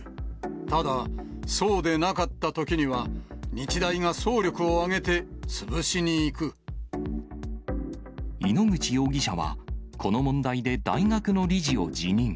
ただ、そうでなかったときには、井ノ口容疑者は、この問題で大学の理事を辞任。